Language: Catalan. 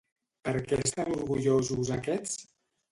Per què estan orgullosos aquests?